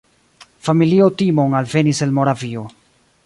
Familio Timon alvenis el Moravio.